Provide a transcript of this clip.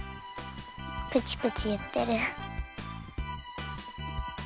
プチプチいってる。